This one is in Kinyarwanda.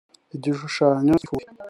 igishushanyo cy ifuhe